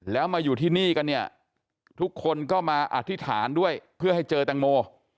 แล้วมาอยู่ที่นี่กันเนี่ยทุกคนก็มาอธิษฐานด้วยเพื่อให้เจอแตงโม